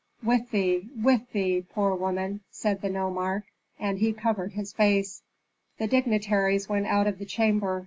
"With thee, with thee, poor woman," said the nomarch; and he covered his face. The dignitaries went out of the chamber.